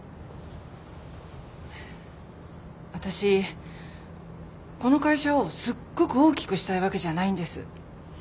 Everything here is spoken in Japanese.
私この会社をすっごく大きくしたいわけじゃないんです